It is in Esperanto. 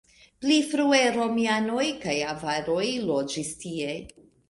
Pli frue romianoj kaj avaroj loĝis tie.